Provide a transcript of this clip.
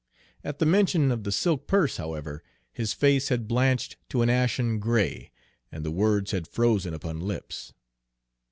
At the mention of the silk purse, however, his face had blanched to an ashen gray, and the words had frozen upon his lips.